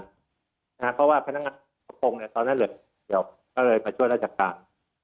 เพราะว่าพนักงานธิปรงเขาเลยประชวนรัชการ